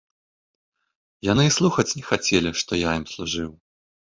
Яны і слухаць не хацелі, што я ім служыў.